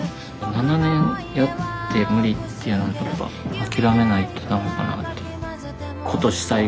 ７年やって無理っていうのはやっぱ諦めないと駄目かなって。